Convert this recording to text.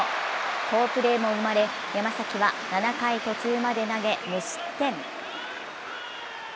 好プレーも生まれ、山崎は７回途中まで投げ無失点。